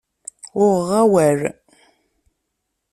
Uɣeɣ awal.